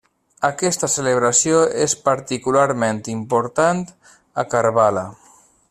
Aquesta celebració és particularment important a Karbala.